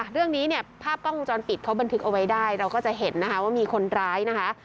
เรื่องนี้เนี่ยภาพกล้องวงจรปิดเขาบันทึกเอาไว้ได้เราก็จะเห็นนะคะว่ามีคนร้ายนะคะ